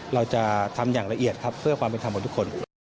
เราจะทำอย่างละเอียดครับเพื่อความเป็นธรรมของทุกคน